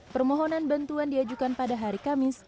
permohonan bantuan diajukan pada hari kamis